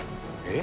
え？